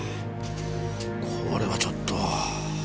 これはちょっと。